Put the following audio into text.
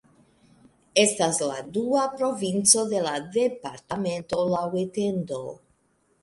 Estas la dua provinco de la departamento laŭ etendo.